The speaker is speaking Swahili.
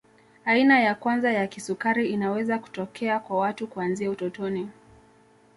Aina ya kwanza ya kisukari inaweza kutokea kwa watu kuanzia utotoni